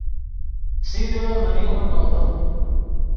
فسیدرو ڤریغو نوڤے